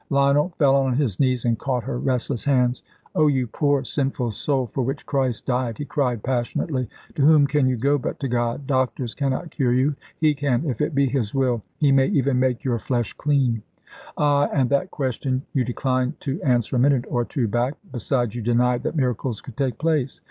Lionel fell on his knees and caught her restless hands. "Oh, your poor, sinful soul, for which Christ died!" he cried passionately; "to whom can you go but to God? Doctors cannot cure you; He can, if it be His will. He may even make your flesh clean." "Ah! And that question you declined to answer a minute or two back. Besides, you denied that miracles could take place."